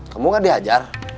kamu gak diajar